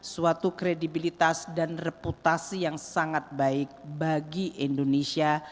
suatu kredibilitas dan reputasi yang sangat baik bagi indonesia